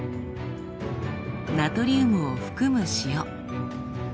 ナトリウムを含む塩。